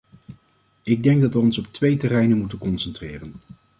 Ik denk dat we ons op twee terreinen moeten concentreren.